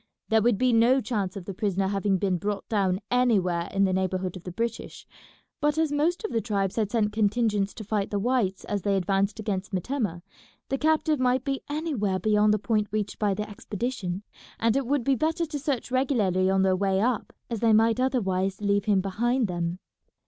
There would be no chance of the prisoner having been brought down anywhere in the neighbourhood of the British, but as most of the tribes had sent contingents to fight the whites as they advanced against Metemmeh, the captive might be anywhere beyond the point reached by the expedition, and it would be better to search regularly on their way up, as they might otherwise leave him behind them.